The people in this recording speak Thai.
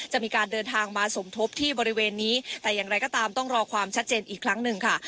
จะมีการเดินทางมาสมทบที่บริเวณนี้แต่อย่างไรก็ตามต้องรอความชัดเจนอีกครั้งหนึ่งค่ะ